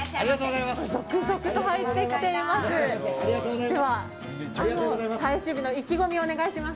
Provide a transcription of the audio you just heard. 続々と入ってきています。